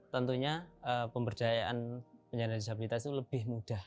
tentunya pemberdayaan penyandang disabilitas itu lebih mudah